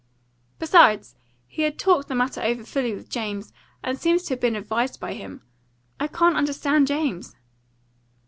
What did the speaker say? "Besides, he had talked the matter over fully with James, and seems to have been advised by him. I can't understand James."